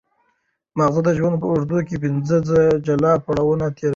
ماغزه د ژوند په اوږدو کې پنځه جلا پړاوونه تېروي.